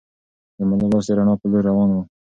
د ملا لاس د رڼا په لور روان و.